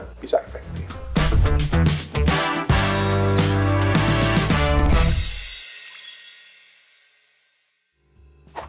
bagaimana cara mencari transparansi